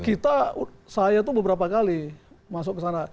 oh kita saya tuh beberapa kali masuk ke sana